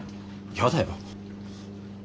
嫌だよ。